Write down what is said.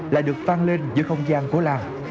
lại được vang lên giữa không gian của làng